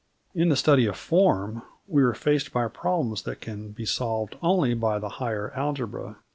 In the study of form we are faced by problems that can be solved only by the higher algebra.